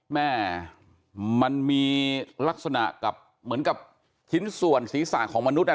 แม่มันมีลักษณะกับเหมือนกับชิ้นส่วนศีรษะของมนุษย์